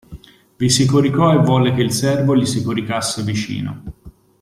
Vi si coricò e volle che il servo gli si coricasse vicino.